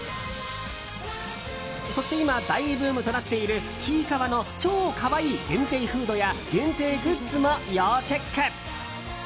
そして今、大ブームとなっている「ちいかわ」の超可愛い限定フードや限定グッズも要チェック。